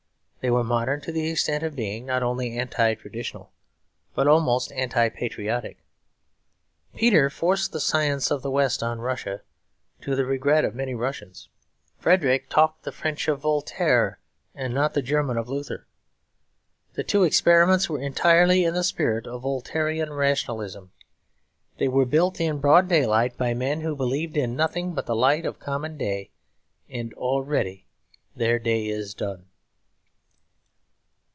They were modern to the extent of being not only anti traditional, but almost anti patriotic. Peter forced the science of the West on Russia to the regret of many Russians. Frederick talked the French of Voltaire and not the German of Luther. The two experiments were entirely in the spirit of Voltairean rationalism; they were built in broad daylight by men who believed in nothing but the light of common day; and already their day is done.